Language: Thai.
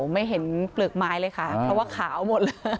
ไม่เห็นเปลือกไม้เลยค่ะเพราะว่าขาวหมดเลย